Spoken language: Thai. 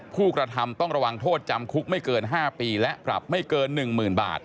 ผู้กระทำต้องระวังโทษจำคุกไม่เกิน๕ปีและปรับไม่เกิน๑๐๐๐บาท